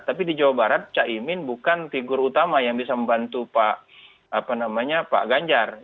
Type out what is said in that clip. tapi di jawa barat cak imin bukan figur utama yang bisa membantu pak apa namanya pak ganjarra